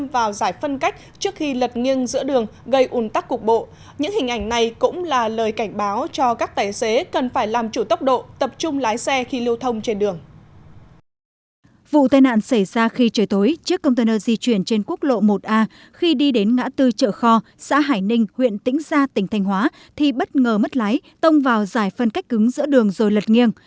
vụ tai nạn xảy ra khi trời tối chiếc container di chuyển trên quốc lộ một a khi đi đến ngã tư chợ kho xã hải ninh huyện tĩnh gia tỉnh thành hóa thì bất ngờ mất lái tông vào dài phân cách cứng giữa đường rồi lật nghiêng